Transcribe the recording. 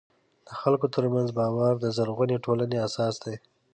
د خلکو ترمنځ باور د زرغونې ټولنې اساس دی.